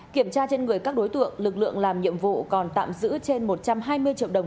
kiểm tra trên người các đối tượng lực lượng làm nhiệm vụ còn tạm giữ trên một trăm hai mươi triệu đồng